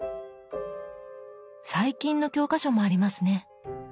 最近の教科書もありますね。